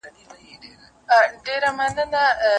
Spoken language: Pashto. ایا څېړونکی باید د متن قوتونه وښيي؟